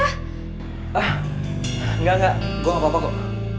ah enggak enggak gue gak apa apa kok